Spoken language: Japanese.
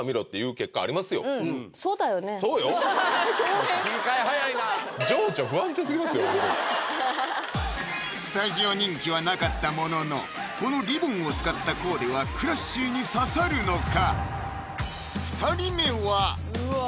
切り替え早いなスタジオ人気はなかったもののこのリボンを使ったコーデは「ＣＬＡＳＳＹ．」に刺さるのか？